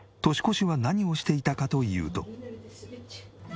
年越しは何をしていたかというと。